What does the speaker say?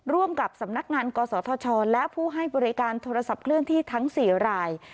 ร่วมกับสำนักงานกศธชและผู้ให้บริการโทรศัพท์เคลื่อนที่ทั้ง๔ราย